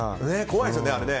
怖いですよね